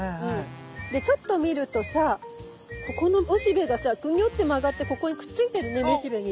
でちょっと見るとさここのおしべがさグニョって曲がってここにくっついてるねめしべに。